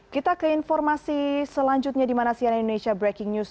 kita ke informasi selanjutnya di manasianai indonesia breaking news